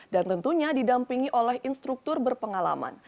dan tentunya didampingi oleh instruktur berpengalaman